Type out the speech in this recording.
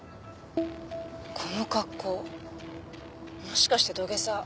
この格好もしかして土下座。